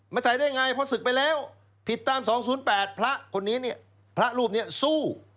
มาใส่ได้ไงเพราะศึกไปแล้วผิดตาม๒๐๘พระรูปเนี่ยสู้